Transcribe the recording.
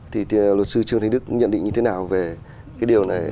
thì luật sư trương thanh đức nhận định như thế nào về cái điều này